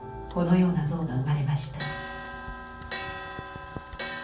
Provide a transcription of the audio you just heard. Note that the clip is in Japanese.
このような像が生まれました。